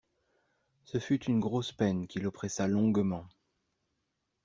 Ce fut une grosse peine qui l'oppressa longuement.